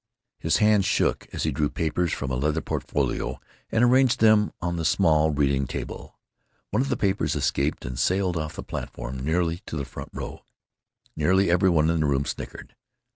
His hand shook as he drew papers from a leather portfolio and arranged them on the small reading table. One of the papers escaped and sailed off the platform, nearly to the front row. Nearly every one in the room snickered.